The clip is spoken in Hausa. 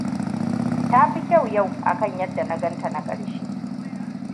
Ta fi kyau yau akan yadda na gan ta na karshe.